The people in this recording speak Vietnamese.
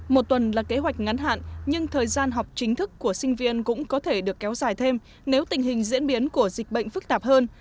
một tuần là kế hoạch ngắn hạn nhưng thời gian học chính thức của sinh viên cũng có thể được kéo dài thêm nếu tình hình diễn biến của dịch bệnh phức tạp hơn